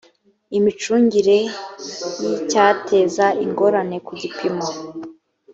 imicungire y icyateza ingorane ku gipimo